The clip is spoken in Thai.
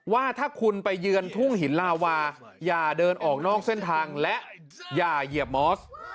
ว่าถ้าคุณไปเยือนทุ่งหินลาวาอย่าเดินออกนอกเส้นทางและอย่าเหยียบมอส